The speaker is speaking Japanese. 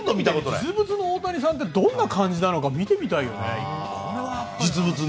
実物の大谷さんってどんな感じなのか見てみたいですよ、実物を。